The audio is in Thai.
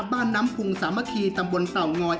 บ้านน้ำพุงสามัคคีตำบลเต่างอย